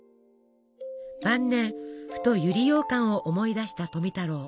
晩年ふと百合ようかんを思い出した富太郎。